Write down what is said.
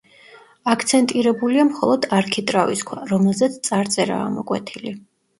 აქცენტირებულია მხოლოდ არქიტრავის ქვა, რომელზეც წარწერაა ამოკვეთილი.